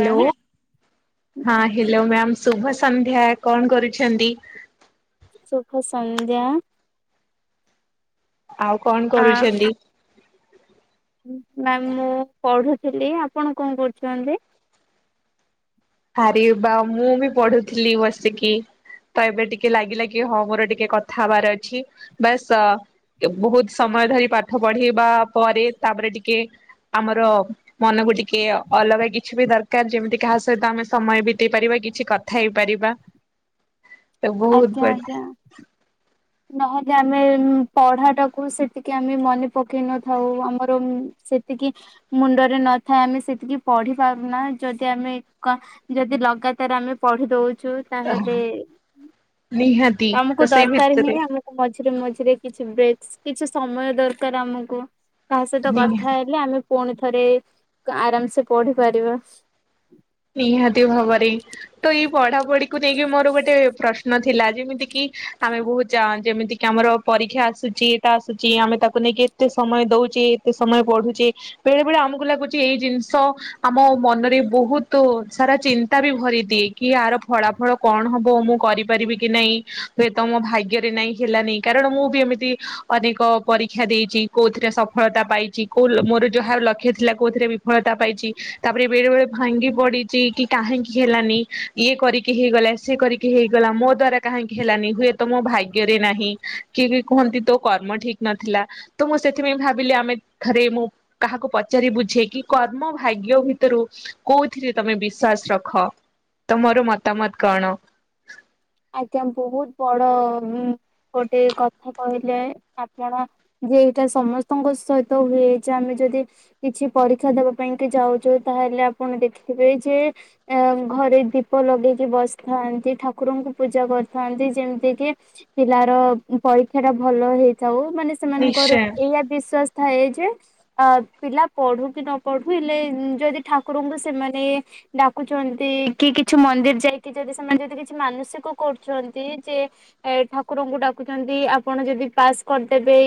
Hello ହଁ hello ma'am ଶୁଭ ସନ୍ଧ୍ୟା କଣ କରୁଛନ୍ତି? ଶୁଭ ସନ୍ଧ୍ୟା। ଆଉ କଣ କରୁଛନ୍ତି? ମାମ ମୁଁ ପଢୁଥିଲି। ଆପଣ କଣ କରୁଛନ୍ତି? ଆରେ ବା ମୁଁ ବି ପଢୁଥିଲି ବସିକି। ତ ଏବେ ଟିକେ ଲାଗିଲା କି ହଁ ମୋର ଟିକେ କଥା ହବାର ଅଛି ବାସ୍ ଅ ବହୁତ ସମୟ ଧରି ପାଠ ପଢ଼େଇବା ପରେ ତାପରେ ଟିକେ ଆମର ମନକୁ ଟିକେ ଅଲଗା କିଛି ବି ଦରକାର ଯେମିତି କାହା ସହିତ ଆମେ ସମୟ ବିତେଇ ପାରିବା କିଛି କଥା ହେଇପାରିବା। ତ ବହୁତ ଆଜ୍ଞା ବଢିଆ। ଆଜ୍ଞା। ନହେଲେ ଆମେ ପଢା ଟାକୁ ସେତିକି ଆମେ ମନେ ପକେଇ ନଥାଉ ଆମର ସେତିକି ମୁଣ୍ଡରେ ନଥାଏ ଆମେ ସେତିକି ପଢି ପାରୁନା ଯଦି ଆମେ କ ଯଦି ଲଗାତାର ଆମେ ପଢି ଦଉଛୁ। ତାହେଲେ ନିହାତି ତ ତମକୁ ସେଇ ଦର ତିହି ଭିତରେ ଆମକୁ ମଝିରେ ମଝିରେ କିଛି ବ୍ରେକ୍ କିଛି ସମୟ ଦରକାର ଆମକୁ। କାହା ସହିତ ନିହାତି କଥା ହେଲେ ଆମେ ପୁଣି ଥରେ ଆରାମ ସେ ପଢିପାରିବା। ନିହାତି ଭାବରେ। ତ ଏଇ ପଢା ପଢିକୁ ନେଇକି ମୋର ଗୋଟେ ପ୍ରଶ୍ନ ଥିଲା। ଯେମିତି କିି ଆମେ ବହୁତ ଯ ଯେମିତି କିି ଆମର ପରୀକ୍ଷା ଆସୁଛି ଏଟା ଆସୁଛି ଆମେ ତାକୁ ନେଇକି ଏତେ ସମୟ ଦଉଛେ ଏତେ ସମୟ ପଢୁଛେ। ବେଳେ ବେଳେ ଆମକୁ ଲାଗୁଛି ଏଇ ଜିନିଷ ଆମ ମନରେ ବହୁ- ତୁ ସାରା ଚିନ୍ତା ବି ଭରିଦିଏ କି ଆାର ଫଳାଫଳ କଣ ହବ ମୁଁ କରିପାରିବି କି ନାଇଁ? ହୁଏତ ମୋ ଭାଗ୍ୟରେ ନାଇଁ ହେଲାନି କାରଣ ମୁଁ ବି ଏମିତି ଅନେକ ପରୀକ୍ଷା ଦେଇଚି। କୋଉଥିରେ ସଫଳତା ପାଇଚି, କୋଉ ମୋର ଯାହାହାର ଲକ୍ଷ୍ୟ ଥିଲା କୋଉଥିରେ ବିଫଳତା ପାଇଛି। ତାପରେ ବେଳେ ବେଳେ ଭାଙ୍ଗି ପଡିଚି କି କାହିଁକି ହେଲାନି ଇଏ କରିକି ହେଇଗଲା ସେ କରିକି ହେଇଗଲା। ମୋ ଦ୍ଵାରା କାହିଁକି ହେଲାନି ହୁଏତ ମୋ ଭାଗ୍ୟରେ ନାହିଁ, କିଏ କି କୁହନ୍ତି ତୋ କର୍ମ ଠିକ ନଥିଲା। ତ ମୁଁ ସେଥିପାଇଁ ଭାବିଲି ଆମେ ଥରେ ମୁଁ କାହାକୁ ପଚାରି ବୁଝେ କି କର୍ମ ଭାଗ୍ୟ ଭିତରୁ କୋଉ ଏଥିରେ ତମେ ବିଶ୍ଵାସ ରଖ ତମର ମତାମତ କଣ? ଆଜ୍ଞା ବହୁତ ବଡ ଉ ଗୋଟେ କଥା କହିଲେ ଆପଣ? ଯେ ଏଇଟା ସମସ୍ତଙ୍କ ସହିତ ହୁଏ ଯେ ଆମେ ଯଦି- କିଛି ପରୀକ୍ଷା ଦବା ପାଇଁ କି ଯାଉଛୁ ତାହେଲେ ଆପଣ ଦେଖିଥିବେ ଯେ ଆ ଘରେ ଦୀପ ଲଗେଇକି ବସିଥାନ୍ତି ଠାକୁରଙ୍କୁ ପୂଜା କରିଥାନ୍ତି। ଯେମିତିକି ପିଲାର ପରୀକ୍ଷା ଟା ଭଲ ହେଇଥାଉ ମାନେ- ସେମାନଙ୍କର ନିଶ୍ଚୟ ଏଇଆ ବିଶ୍ଵାସ ଥାଏ ଯେ- ଅ ପିଲା ପଢୁ କି ନ ପଢୁ ହେଲେ ଯଦି ଠାକୁରଙ୍କୁ ସେମାନେ- ଡାକୁଛନ୍ତି, କି କିଛି ମନ୍ଦିର ଯାଇକି ଯଦି ସେମାନେ ଯଦି କିଛି ମାନସିକ- କରୁଛନ୍ତି ଯେ ଏ ଠାକୁରଙ୍କୁ ଡାକୁଛନ୍ତି ଆପଣ ଯଦି ପାସ୍ କରିଦେବେ।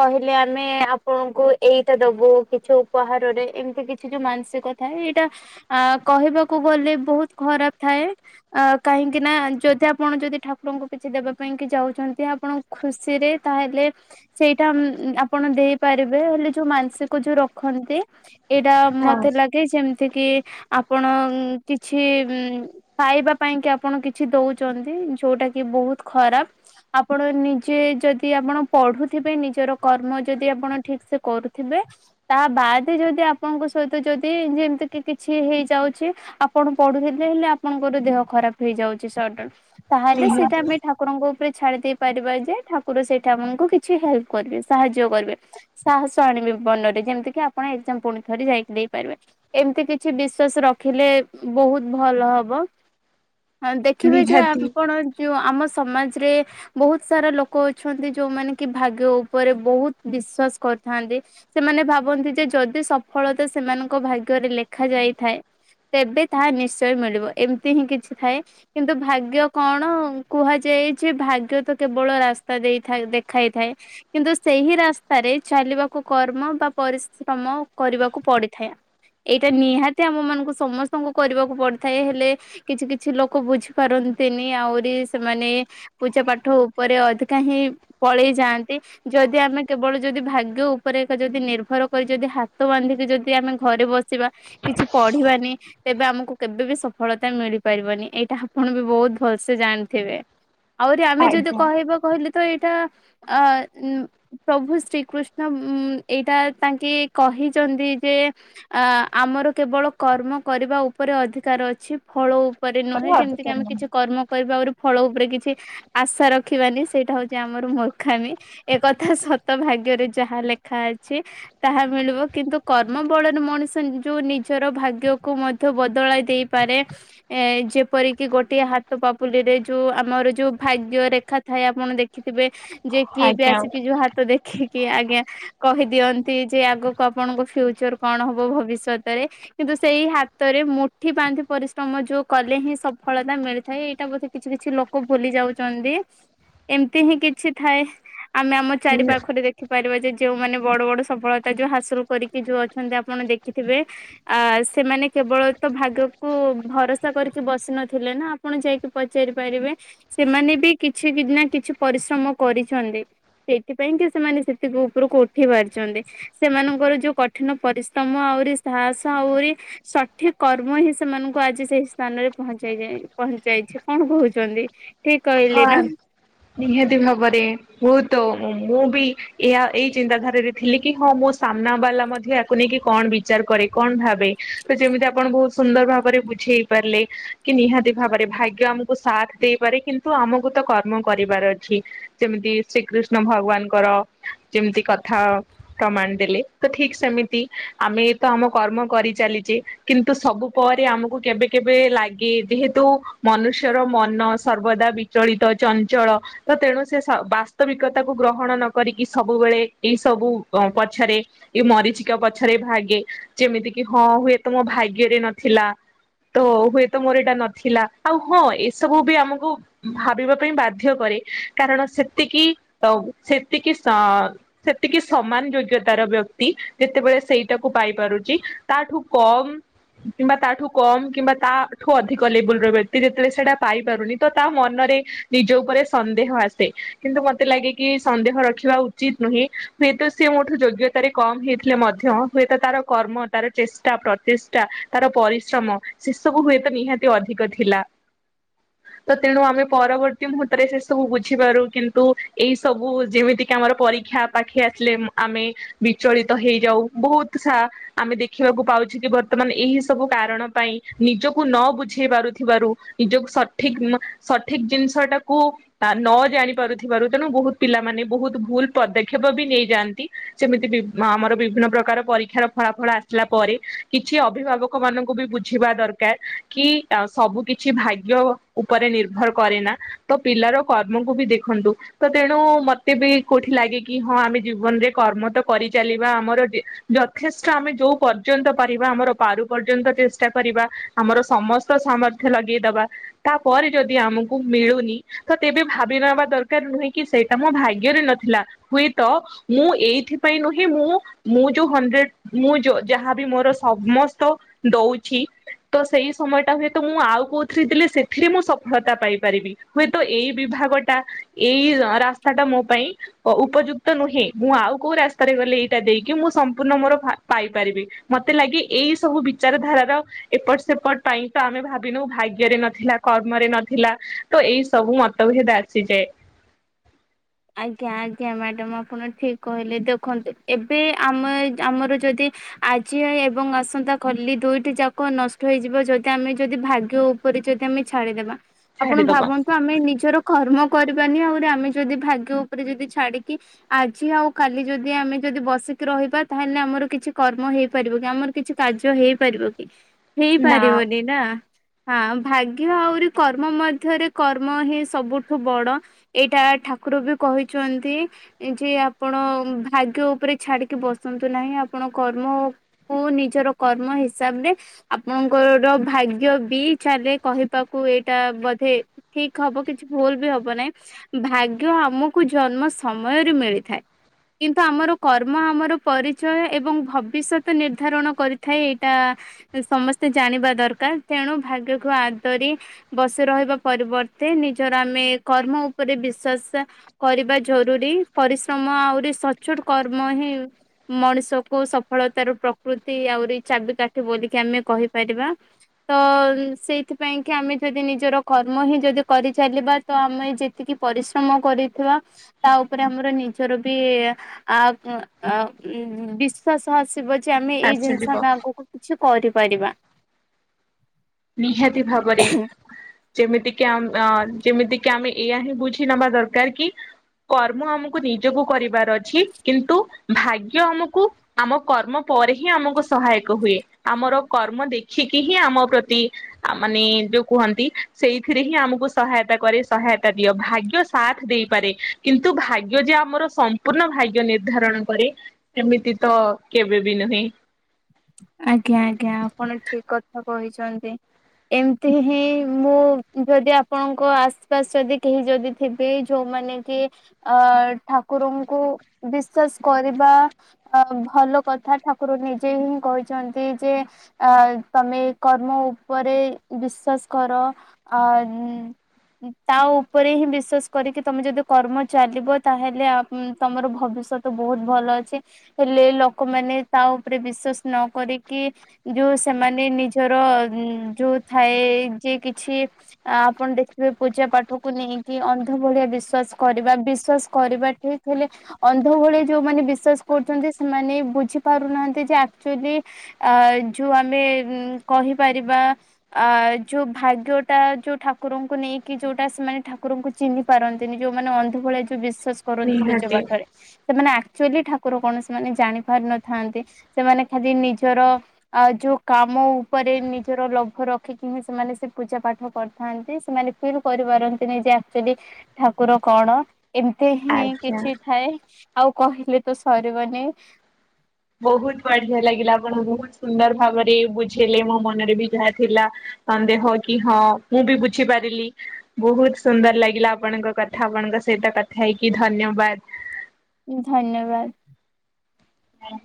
କହିଲେ ଆମେ ଆପଣଙ୍କୁ ଏଇଟା ଦବୁ କିଛି ଉପହାରରେ ଏମିତି କିଛି ଯୋଉ ମାନସିକ। ଥାଏ ଏଇଟା ଆ କହିବାକୁ ଗଲେ ବହୁତ ଖରାପ ଥାଏ ଅ କାହିଁକି ନା? ଯଦି ଆପଣ ଯଦି ଠାକୁରଙ୍କୁ କିଛି ଦେବା ପାଇଁ କି ଯାଉଛନ୍ତି। ଆପଣ ଖୁସି ରେ ତାହେଲେ- ସେଇଟା ଉ ଆପଣ ଦେଇପାରିବେ ହେଲେ ଯୋଉ ମାନସିକ ଯୋଉ ରଖନ୍ତି। ଏଇଟା ମତେ ଲାଗେ ଯେମିତି କି ଆପଣ କିଛି ଖାଇବା ପାଇଁ କି ଆପଣ କିଛି ଦଉ- ଛନ୍ତି ଯୋଉଟା କି ବହୁତ ଖରାପ। ଆପଣ ନିଜେ ଯଦି ଆପଣ ପଢୁଥିବେ ନିଜର କର୍ମ ଯଦି ଆପଣ ଠିକ ସେ କରୁଥିବେ। ତା ବାଦ ଯଦି ଆପଣଙ୍କ ସହିତ ଯଦି ଯେମିତି କି କିଛି ହେଇଯାଉଛି। ଆପଣ ପଢୁଥିଲେ ହେଲେ ଆପଣଙ୍କର ଦେହ ଖରାପ ହେଇଯାଉଛି ସଡନ ତାହେଲେ ନିହାତି ସେଇଟା ଆମେ ଠା ଠାକୁରଙ୍କ ଉପରେ ଛାଡି ଦେଇ ପାରିବା ଯେ ଠାକୁର ସେଇଠାଙ୍କୁ କିଛି ହେଲ୍ପ କରିବେ ସାହାଯ୍ୟ କରିବେ। ସାହସ ଆଣିବେ ମନରେ ଯେମିତି କିି ଆପଣ ଏଜାମ ପୁଣି ଥରେ ଯାଇକି ଦେଇପାରିବେ। ଏମିତି କିଛି ବିଶ୍ଵାସ ରଖିଲେ ବହୁତ ଭଲ ହବ। ହଁ। ହ ଦେଖିବେ ଯେ ଆପଣ ଯୋଉ ଆମ ସମାଜରେ ବହୁତ ସାରା ଲୋକ ଅଛନ୍ତି ଯୋଉମାନେ କି ଭାଗ୍ୟ ଉପରେ ବହୁତ ବିଶ୍ଵାସ କରିଥାନ୍ତି। ସେମାନେ ଭାବନ୍ତି ଯେ ଯଦି ସଫଳତା ସେମାନଙ୍କ ଭାଗ୍ୟରେ ଲେଖା ଯାଇଥାଏ ତେବେ ତାହା ନିଶ୍ଚୟ ମିଳିବ ଏମିତି ହିଁ କିଛି ଥାଏ। କିନ୍ତୁ, ଭାଗ୍ୟ ଭାଗ୍ୟ କଣ କୁହାଯାଏ ଯେ ଭାଗ୍ୟ ତ କେବଳ ରାସ୍ତା ଦେଇଥା ଦେଖାଇଥାଏ। କିନ୍ତୁ ସେହି ରାସ୍ତାରେ ଚାଲିବାକୁ କର୍ମ ବା ପରିଶ୍ରମ କରିବାକୁ ପଡିଥାଏ। ଏଇଟା ନିହାତି ଆମ ମାନଙ୍କୁ ସମସ୍ତଙ୍କୁ କରିବାକୁ ପଡିଥାଏ। ହେଲେ କିଛି କିଛି ଲୋକ ବୁଝିପାରନ୍ତିନି ଆହୁରି ସେମାନେ ପୂଜା, ପାଠ ଉପରେ ଅଧିକା ହିଁ ପଳେଇ ଯାଆନ୍ତି। ଯଦି ଆମେ କେବଳ ଯଦି ଭାଗ୍ୟ ଉପରେ ଯଦି ନିର୍ଭର କରି ଯଦି ହାତ ବାନ୍ଧିକି ଯଦି ଆମେ ଘରେ ବସିବା କିଛି ପଢିବାନି ତେବେ ଆମକୁ କେବେ ବି ସଫଳତା ମିଳିପାରିବନି। ଏଇଟା ଆପଣ ବି ବୋହୁତ ଭଲସେ ଜାଣିଥିବେ। ଆହୁରି ଆମେ ଯଦି ଆଜ୍ଞା କହିବା କହିଲେ ତ ଏଇଟା ଆ ଉମ୍ ପ୍ରଭୁ ଶ୍ରୀକୃଷ୍ଣ ଉମ୍ ଏଇଟା ତାଙ୍କେ କହିଛନ୍ତି ଯେ ଆ ଆମର କେବଳ କର୍ମ କରିବା ଉପରେ ଅଧିକାର ଅଛି। ଫଳ ଉପରେ ନୁହେଁ ଯେମିତି କିି ଅଧିକାର ଆମେ କିଛି ନାହିଁ। କର୍ମ କରିବା [inaudible] ଫଳ ଉପରେ କିଛି ଆଶା ରଖିବାନି, ସେଇଟା ହଉଛି ଆମର ମୂର୍ଖାମି। ଏ କଥା ସତ ଭାଗ୍ୟରେ ଯାହା ଲେଖା ଅଛି। ତାହା ମିଳିବ। କିନ୍ତୁ, କର୍ମ ବଳରେ ମଣିଷ ଯୋଉ ନିଜର ଭାଗ୍ୟକୁ ମଧ୍ ବଦଳାଇ ଦେଇପାରେ। ଏ ଯେପର କିି ଗୋଟିଏ ହାତ ହାତ ପାପୁଲି ରେ ଯୋଉ ଆମର ଯୋଉ ଭାଗ୍ୟ ରେଖା ଥାଏ ଆପଣ ଦେଖିଥିବେ? ଯେ କିଏ ବି ଆଜ୍ଞା। ଆସିକି ଯୋ ହାତ ଦେଖିକି ଆଜ୍ଞା କହିଦିଅନ୍ତି ଯେ ଆଗକୁ ଆପଣଙ୍କ ଫ୍ୟୁଚର କଣ ହବ ଭବିଷ୍ୟତରେ। କିନ୍ତୁ ସେଇ ହାତରେ ମୁଠି ବାନ୍ଧି ପରିଶ୍ରମ ଯୋଉ କଲେ ହିଁ ସଫଳତା ମିଳି ଥାଏ। ଏଇଟା ବୋଧେ କିଛି କିଛି ଲୋକ ଭୁଲି ଯାଉଛନ୍ତି। ଏମତି ହିଁ କିଛି ଥାଏ ଆମେ ଆମ ଚାରି ପାଖରେ ଦେଖ ଦେଖିପାରିବା ଯେ ଯେଉମାନେ ବଡ ବଡ ସଫଳତା ଯୋଉ ହାସଲ କରିକି, ଯୋଉ ଅଛନ୍ତି ଆପଣ ଦେଖିଥିବେ? ଆ ସେମାନେ କେବଳ ତ ଭାଗକୁ ଭରସା କରିକି ବସି ନଥିଲେ ନା! ଆପଣ ଯାଇକି ପଚାରି ପାରିବେ। ସେମାନେ ବି କିଛି ନା କିଛି ପରିଶ୍ରମ କରିଛନ୍ତି। ସେଇଥିପାଇଁ କି ସେମାନେ ସେତିକି ଉପରକୁ ଉଠି ପାରିଛନ୍ତି। ସେମାନଙ୍କର ଯୋଉ କଠିନ ପରିସ୍ତମ ଆହୁରି, ସାହସ ଆହୁରି ସଠିକ କର୍ମ ହିଁ ସେମାନଙ୍କୁ ଆଜି ସେଇ ସ୍ଥାନରେ ପହଞ୍ଚାଯାଇ ପହଞ୍ଚାଇଛି। କଣ କହୁଛନ୍ତି? ଠିକ କହିଲି ହଁ ନା? ନିହାତି ଭାବରେ। ବୋହୁତ ମୁଁ ବି ଏହା ଏଇ ଚିନ୍ତାଧାରାରେ ଥିଲି କି? ହଁ ମୋ ସାମ୍ନା ବାଲା ମଧ୍ୟ ଏହାକୁ ନେଇକି କଣ ବିଚାର କରେ କଣ ଭାବେ? ତ ଯେମିତି ଆପଣ ବହୁତ ସୁନ୍ଦର ଭାବରେ ବୁଝେଇ ପାରିଲେ! କି ନିହାତି ଭାବରେ ଭାଗ୍ୟ ଆମକୁ ସାଥ ଦେଇପାରେ। କିନ୍ତୁ ଆମକୁ ତ କର୍ମ କରିବାର ଅଛି। ଯେମିତି ଶ୍ରୀକୃଷ୍ଣ ଭଗବାନଙ୍କର ଯେମିତି କଥା ପ୍ରମାଣ ଦେଲେ! ତ ଠିକ୍ ସେମିତି ଆମେ ତ ଆମ କର୍ମ କରିଚାଲିଛେ। କିନ୍ତୁ ସବୁ ପରେ ଆମକୁ କେବେ କେବେ ଲାଗେ ଯେହେତୁ ମନୁଷ୍ୟର ମନ ସର୍ବଦା ବିଚଳିତ, ଚଞ୍ଚଳ ତ ତେଣୁ ସେ ସ ବାସ୍ତବିକତାକୁ ଗ୍ରହଣ ନ କରିକି ସବୁବେଳେ ଏଇ ସବୁ ଆ ପଛରେ ଏଇ ମରିଚିକା ପଛରେ ଭାଗେ। ଯେମିତି କିି ହଁ ହୁଏ ତ ମୋ ଭାଗ୍ୟରେ ନଥିଲା! ତ ହୁଏତ ମୋର ଏଇଟା ନଥିଲା। ଆଉ ହଁ ଏସବୁ ବି ଆମକୁ ଭାବିବା ପାଇଁ ବାଧ୍ୟ କରେ। କାରଣ ସେତିକି ତ ସେତିକି ସ ସେତିକି ସମାନ ଯୋଗ୍ୟତାର ବ୍ୟକ୍ତି ଯେତେବେଳେ ସେଇଟାକୁ ପାଇ ପାରୁଛି ତା ଠୁ କମ୍ କିମ୍ବା ତାଠୁ କମ୍ କିମ୍ବା ତାଠୁ ଅଧିକ ଲେବୁଲର ବ୍ୟକ୍ତି ଯେତେବେଳେ ସେଇଟା ପାଇପାରୁନି ତ ତା ମନରେ ନିଜ ଉପରେ ସନ୍ଦେହ ଆସେ। କିନ୍ତୁ ମତେ ଲାଗେ କି ସନ୍ଦେହର ରଖିବା ଉଚିତ ନୁହେଁ। ହୁଏତ ସେ ମୋଠୁ ଯୋଗ୍ୟତାରେ କମ୍ ହେଇଥିଲେ ମଧ୍ୟ, ହୁଏତ ତାର କର୍ମ ତାର ଚେଷ୍ଟା ପ୍ରଚେଷ୍ଟା ତାର ପରିଶ୍ରମ ସେ ସବୁ ହୁଏତ ନିହାତି ଅଧିକ ଥିଲା। ତ ତେଣୁ ଆମେ ପରବର୍ତ୍ତୀ ମୁହୂର୍ତ୍ତରେ ସେ ସବୁ ବୁଝିପାରୁ କିନ୍ତୁ ଏଇ ସବୁ ଯେମିତିକି ଆମର ପରୀକ୍ଷା! ପାଖେଇ ଆସିଲେ ଆମେ ବିଚଳିତ ହେଇଯାଉ। ବୋହୁତ ସା ଆମେ ଦେଖିବାକୁ ପାଉଛୁ କି? ବର୍ତ୍ତମାନ ଏହି ସବୁ କାରଣ ପାଇଁ ନିଜକୁ ନ ବୁଝେଇ ପାରୁଥିବାରୁ ନିଜକୁ ସଠିକ ଉମ୍ ସଠିକ ଜିନିଷଟାକୁ ଆ ନ ଜାଣି ପାରୁଥିବାରୁ ତେଣୁ ବହୁତ ପିଲାମାନେ ବହୁତ ଭୁଲ ପଦକ୍ଷେପ ବି ନେଇଯାଆନ୍ତି। ଯେମିତି କି ଆମର ବିଭିନ୍ନ ପ୍ରକାର ପରୀକ୍ଷାର ଫଳାଫଳ ଆସିଲା ପରେ କିଛି ଅଭିଭାବକ ଲୋକ ମାନଙ୍କୁ ବି ବୁଝିବା ଦରକାର କି ଆ ସବୁ କିଛି ଭାଗ୍ୟ ଉ ଉପରେ ନିର୍ଭର କରେ ନା ତ ପିଲାର କର୍ମକୁ ବି ଦେଖନ୍ତୁ। ତ ତେଣୁ ମତେ ବି କୋଉଠି ଲାଗେ କି ହଁ ଆମେ ଜୀବନରେ କର୍ମ ତ କରିଚାଲିବା ଆମର ଯେ ଯଥେଷ୍ଟ ଆମେ ଯୋଉ ପର୍ଯ୍ୟନ୍ତ ପାରିବା ଆମର ପାରୁ ପର୍ଯ୍ୟନ୍ତ ଚେଷ୍ଟା କରିବା। ଆମର ସମସ୍ତ ସାମର୍ଥ୍ୟ ଲଗେଇଦବା। ତାପରେ ଯଦି ଆମକୁ ମିଳୁନି ତ ତେବେ ଭାବି ନବା ଦରକାର ନୁହେଁ କି ସେଇଟା ମୋ ଭାଗ୍ୟରେ ନଥିଲା। ହୁଏ ତ ମୁଁ ଏଇଥି ପାଇଁ ନୁହେଁ ମୁଁ ମୁଁ ଯୋଉ ହଣ୍ଡ୍ରେଡ। ମୁଁ ଯୋ ଯାହାବି ମୋର ସମସ୍ତ ଦଉଛି। ତ ସେଇ ସମୟ ଟା ହୁଏତ ମୁଁ ଆଉ କଉଥିରେ ଦେଲେ ସେ ଥିରେ ମୁଁ ସଫଳତା ପାଇପାରିବି ହୁଏତ ଏଇ ବିଭାଗଟା। ଏଇ ଅ ରାସ୍ତା ଟା ମୋ ପାଇଁ ଅ ଉପଯୁକ୍ତ ନୁହେଁ ମୁଁ ଆଉ କୋଉ ରାସ୍ତାରେ ଗଲେ। ତା ଦେଇକି ମୁଁ ସମ୍ପୂର୍ଣ୍ଣ ମୋର ଫା ପାଇପାରିବି ମତେ ଲାଗେ ଏଇ ସବୁ ବିଚାର ଧାରାର। ଏପଟ ସେପଟ ପାଇଁ ତ ଆମେ ଭାବିନଉ ଭାଗ୍ୟରେ ନଥିଲା। କର୍ମରେ ନଥିଲା ତ ଏଇ ସବୁ ମତଭେଦ ଆସିଯାଏ। ଆଜ୍ଞା ଆଜ୍ଞା ମ୍ୟାଡ଼ମ୍ ଆପଣ ଠିକ କହିଲେ ଦେଖନ୍ତୁ ଏବେ ଆମ ଆମର ଯଦି। ଆଜି ଏବଂ ଆସନ୍ତା କଲି ଦୁଇଟି ଯାକ ନଷ୍ଟ ହେଇଯିବ ଯଦି ଆମେ ଯଦି ଭାଗ୍ୟ ଉ ଉପରେ ଯଦି ଆମେ ଛାଡ଼ିଦେବା। ଆପଣ ଛାଡିଦବ ଭାବନ୍ତୁ ଆମେ ନିଜର କର୍ମ କରିବାନି ଆଉରି ଆମେ ଯଦି ଭାଗ୍ୟ ଉପରେ ଯଦି ଛାଡିକି। ଆଜି ଆଉ କାଲି ଯଦି ଆମେ ଯଦି ବସିକି ରହିବା ତାହେଲେ ଆମର କିଛି କର୍ମ ହେଇପାରିବ କି ଆମର। କିଛି କାର୍ଯ୍ୟ ହେଇପାରିବ କି ନା ହେଇପାରିବନି। ନା ହଁ ଭାଗ୍ୟ ଆହୁରି କର୍ମ ମଧ୍ୟରେ କର୍ମ ହିଁ ସବୁଠୁ ବଡ। ଏଇଟା ଠାକୁର ବି କହିଛନ୍ତି। ଏ ଯେ ଆପଣ ଉଁ ଭାଗ୍ୟ ଉପରେ ଛାଡିକି ବସନ୍ତୁ ନାହିଁ ଆପଣ କର୍ମ। କୁ ନିଜର କର୍ମ ହିସାବ ରେ। ଆପଣଙ୍କର ଭାଗ୍ୟ ବି ଇଚ୍ଛାରେ କହିବାକୁ ଏଇଟା ବୋଧେ। ଠିକ ହବ କିଛି ଭୁଲ ବି ହବ ନାହିଁ ଭାଗ୍ୟ ଆମ କୁ ଜନ୍ମ ସମୟରୁ ମିଳିଥାଏ। କିନ୍ତୁ ଆମର କର୍ମ ଆମର ପରିଚୟ ଏବଂ ଭବିଷ୍ୟତ ନିର୍ଦ୍ଧାରଣ କରିଥାଏ ଏଇଟା। ଏ ସମସ୍ତେ ଜାଣିବା ଦରକାର ତେଣୁ ଭାଗ୍ୟକୁ ଆଦରି। ବସି ରହିବା ପରିବର୍ତ୍ତେ ନିଜର ଆମେ କର୍ମ ଉପରେ ବିଶ୍ଵାସ। କରିବା ଜରୁରୀ ପରିଶ୍ରମ ଆହୁରି ସଚୋଟ କର୍ମ ହିଁ। ମଣିଷକୁ ସଫଳତାର ପ୍ରକୃତି ଆହୁରି ଚାବିକାଠି ବୋଲିକି ଆମେ କହିପାରିବା। ତ ସେଇଥିପାଇଁ କି ଆମେ ଯଦି ନିଜର କର୍ମ ହିଁ ଯଦି କରିଚାଲିବା। ତ ଆମେ ଯେତିକି ପରିଶ୍ରମ କରିଥିବା ତା ଉପରେ ଆମର ନିଜର ବି। ଆ ଉଁ ଆ ଉଁ ବିଶ୍ୱାସ ଆସିବ। ଯେ ଆମେ ଏଇ ଜିନିଷ ଆସିଯିବ ଆମେ ଆଗକୁ କିଛି କରିପାରିବା। ନିହାତି ଭାବରେ। ଯେମିତି କି ଆମ ଆମ ଯେମିତିକି ଆମେ ଏଇୟା ହିଁ ବୁଝି ନବା ଦରକାର କି। କର୍ମ ଆମକୁ ନିଜକୁ କରିବାର ଅଛି କିନ୍ତୁ ଭାଗ୍ୟ ଆମକୁ। ଆମ କର୍ମ ପରେ ହିଁ ଆମକୁ ସହାୟକ ହୁଏ ଆମର କର୍ମ ଦେଖିକି ହିଁ ଆମ ପ୍ର ତି। ଅ ମାନେ ଯୋଉ କୁହନ୍ତି ସେଇଥିରେ ହିଁ ଆମକୁ ସହାୟତା କରେ ସହାୟତା ଦିଅ ଭାଗ୍ୟ ସାଥ ଦେଇପାରେ କିନ୍ତୁ ଭାଗ୍ୟ ଯେ ଆମର ସମ୍ପୂର୍ଣ୍ଣ ଭାଗ୍ୟ ନିର୍ଦ୍ଧାରଣ କରେ। ଏମିତି ତ କେବେ ବି ନୁହେଁ। ଆଜ୍ଞା ଆଜ୍ଞା ଆପଣ ଠିକ କଥା କହିଛନ୍ତି। ଏମିତି ହିଁ ମୁଁ ଉଁ ଯଦି ଆପଣଙ୍କ ଆସପାସ ଯଦି କେହି ଯଦି। ଥିବେ ଯୋଉମାନେ କି ଅ ଠାକୁରଙ୍କୁ ବିଶ୍ଵାସ କରିବା। ଅ ଭଲ କଥା ଠାକୁର ନିଜେ ହିଁ। କହିଛନ୍ତି ଯେ ଆ ତମେ କର୍ମ ଉପରେ ବିଶ୍ଵାସ କର। ଆ [unintelligible] ତା ଉପରେ ହିଁ ବିଶ୍ଵାସ କରିକି ତମେ ଯଦି କର୍ମ ଚାଲିବ ତାହେଲେ ଆ ଉ ତମର ଭବିଷ୍ୟତ ବହୁତ ଭଲ ଅଛି, ହେଲେ ଲୋକମାନେ ତା ଉପରେ ବିଶ୍ୱାସ ନ କରିକି ଯୋଉ ସେମାନେ ନିଜର ଯୋଉ ଥାଏ ଯେ କିଛି ଆ ଆପଣ ଦେଖିବେ ପୂଜା ପାଠକୁ ନେଇକି ଅନ୍ଧ ଭଳିଆ ବିଶ୍ଵାସ କରିବା ବିଶ୍ଵାସ କରିବା ହେଲେ ଅନ୍ଧ ଭଳିଆ ଯୋଉମାନେ ବିଶ୍ଵାସ କରୁଛନ୍ତି ସେମାନେ ବୁଝି ପାରୁନାହାନ୍ତି ଯେ ଆକଚୁଲି ଆ ଯୋଉ ଆମେ କହିପାରିବା ଅ ଯୋଉ ଭାଗ୍ୟ ଟା ଯୋଉ ଠାକୁରଙ୍କୁ ନେଇକି ଯୋଉଟା ସେମାନେ ଠାକୁରଙ୍କୁ ଚିହ୍ନିାରନ୍ତିନି, ଯୋଉମାନେ ଅନ୍ଧ ଭଳିଆ ଯୋଉ ବିଶ୍ୱାସ କରନ୍ତି ପୂଜା ନିହାତି ପାଠରେ ସେମାନେ ଆକ୍ଚୁଆଲି ଠାକୁର କଣ ସେମାନେ ଜାଣି ପାରିନଥାନ୍ତି ସେମାନେ ଖାଲି ନିଜର ଆ ଯୋଉ କାମ ଉପରେ ନିଜର ଲୋଭ ରଖିକି ହିଁ ସେମାନେ ସେ ପୂଜା ପାଠ କରିଥାନ୍ତି, ସେମାନେ ଫିଲ୍ କରିପାରନ୍ତିନି ଯେ ଆକ୍ଚୁଲି ଠାକୁର କଣ? ଏମିତି ହିଁ ଆଜ୍ଞା କିଛି ଥାଏ, ଆଉ କହିଲେ ତ ସରିବନି। ବହୁତ ବଢିଆ ଲାଗିଲା ଆପଣ ବହୁତ ସୁନ୍ଦର ଭାବରେ ବୁଝେଇଲେ, ମୋ ମନରେ ବି ଯାହା ଥିଲା। ସନ୍ଦେହ କି ହଁ ମୁଁ ବି ବୁଝିପାରିଲି। ବହୁତ ସୁନ୍ଦର ଲାଗିଲା ଆପଣଙ୍କ କଥା ଆପଣଙ୍କ ସହିତ କଥା ହେଇକି ଧନ୍ୟବାଦ। ଧନ୍ୟବାଦ। ହଁ।